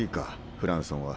フランソンは。